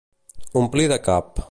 Omplir de cap.